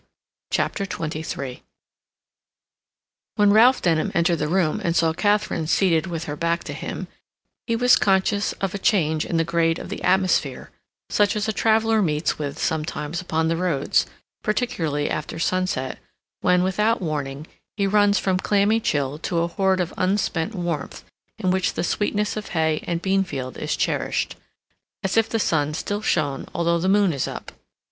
CHAPTER XXIII When Ralph Denham entered the room and saw Katharine seated with her back to him, he was conscious of a change in the grade of the atmosphere such as a traveler meets with sometimes upon the roads, particularly after sunset, when, without warning, he runs from clammy chill to a hoard of unspent warmth in which the sweetness of hay and beanfield is cherished, as if the sun still shone although the moon is up.